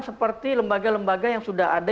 seperti lembaga lembaga yang sudah ada